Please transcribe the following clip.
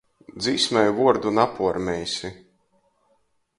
Dzīsmei vuordu napuormeisi.